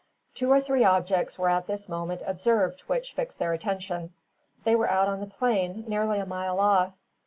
Two or three objects were at this moment observed which fixed their attention. They were out on the plain, nearly a mile off.